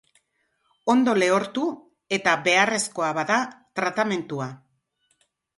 Ondo lehortu, eta, beharrezkoa bada, tratamentua.